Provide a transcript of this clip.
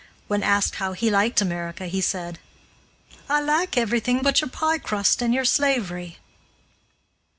When asked how he liked America, he said, "I like everything but your pie crust and your slavery."